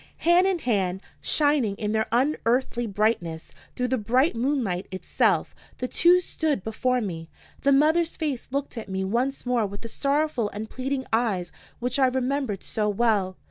Hand in hand, shining in their unearthly brightness through the bright moonlight itself, the two stood before me. The mother's face looked at me once more with the sorrowful and pleading eyes which I remembered so well.